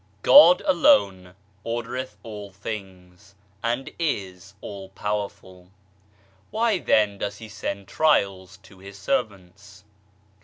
alone ordereth all things and is all powerful. Why then does He send trials to His servants